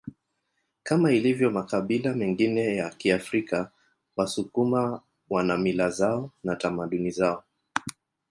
Kama ilivyo makabila mengine ya Kiafrika wasukuma wana mila zao na tamaduni zao